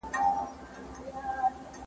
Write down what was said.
ما د سياست پوهنې کتاب ولوست.